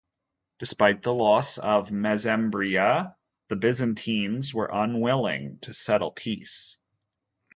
Despite the loss of Mesembria, the Byzantines were unwilling to settle peace.